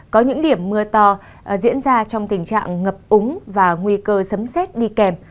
có những điểm mưa to diễn ra trong tình trạng ngập úng và nguy cơ sấm xét đi kèm